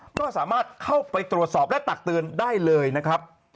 ก็สามารถเข้าไปตรวจสอบและตักเตือนได้เลยนะครับ